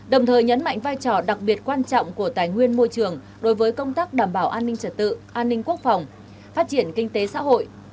đồng thời nhấn mạnh vai trò đặc biệt quan trọng của tài nguyên môi trường đối với công tác đảm bảo an ninh trật tự an ninh quốc phòng phát triển kinh tế xã hội